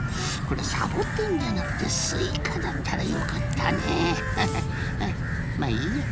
これサボテンじゃなくてスイカだったらよかったね。